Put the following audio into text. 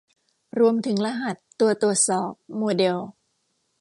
รวมถึงรหัส ตัวตรวจสอบ โมเดล